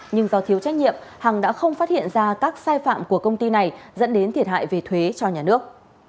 nhưng do thiếu trách nhiệm hằng đã không phát hiện ra các sai phạm của công ty này dẫn đến thiệt hại về thuế cho nhà nước